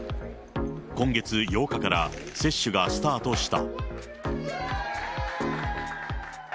今月８日から接種がスタートした。